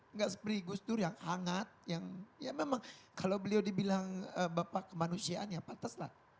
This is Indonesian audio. nggak seperti gus dur yang hangat yang ya memang kalau beliau dibilang bapak kemanusiaan ya pates lah